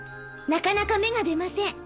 「なかなか芽が出ません。